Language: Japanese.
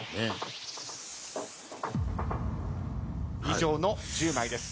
以上の１０枚です。